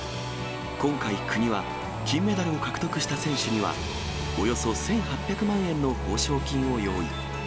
今回、国は金メダルを獲得した選手には、およそ１８００万円の報奨金を用意。